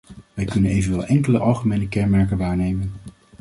Wij kunnen evenwel enkele algemene kenmerken waarnemen.